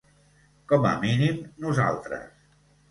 Com a mínim nosaltres.